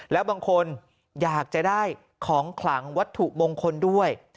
แล้วบางคนอยากจะได้ของขลังวัตถุมงคลด้วย